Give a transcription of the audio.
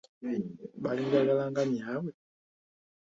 Balinjagala nga nnyaabwe?